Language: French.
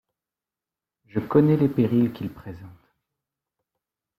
Je connais les périls qu’il présente...